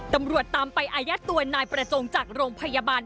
ตำรวจตามไปอายัดตัวนายประจงจากโรงพยาบาล